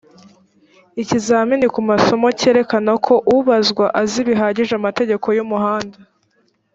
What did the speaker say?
ikizamini ku masomo cyerekana ko ubazwa azi bihagije amategeko y’umuhanda